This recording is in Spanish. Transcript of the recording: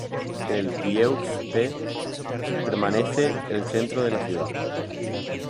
El "Vieux-Pays" permanece el centro de la ciudad.